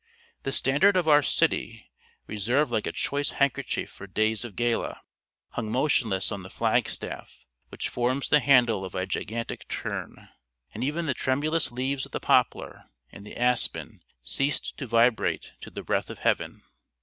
The standard of our city, reserved like a choice handkerchief for days of gala, hung motionless on the flag staff which forms the handle of a gigantic churn; and even the tremulous leaves of the poplar and the aspen ceased to vibrate to the breath of heaven.